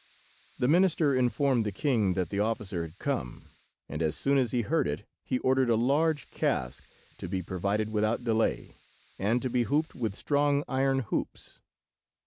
The minister informed the king that the officer had come, and as soon as he heard it, he ordered a large cask to be provided without delay, and to be hooped with strong iron hoops.